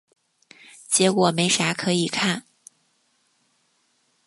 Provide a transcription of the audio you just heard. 结果没啥可以看